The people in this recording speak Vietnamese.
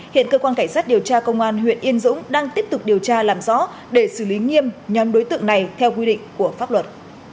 hiện cơ quan cảnh sát điều tra công an huyện yên dũng đang tiếp tục điều tra làm rõ để xử lý nghiêm nhóm đối tượng này theo quy định của pháp luật